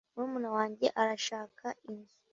Murumuna wanjye arashaka inzu.